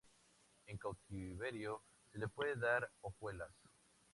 En cautiverio se le puede dar hojuelas.